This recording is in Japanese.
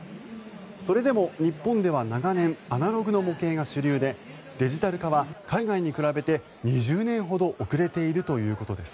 それでも日本では長年アナログの模型が主流でデジタル化は海外に比べて２０年ほど遅れているということです。